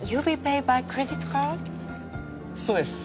そうです。